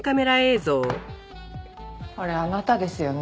これあなたですよね？